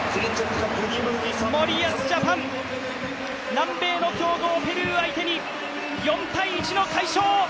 森保ジャパン、南米の強豪ペルー相手に４−１の快勝！